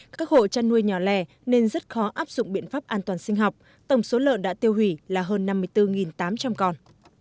các hộ chăn nuôi nhỏ lẻ nên rất khó áp dụng biện pháp an toàn sinh học tổng số lợn đã tiêu hủy là hơn năm mươi bốn tám trăm linh con